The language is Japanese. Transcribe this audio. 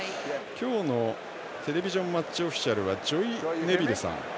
今日のテレビジョンマッチオフィシャルはジョイ・ネビルさん。